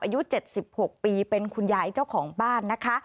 อายุ๗๖ปีเป็นคุณยายเจ้าของบ้านนะคะ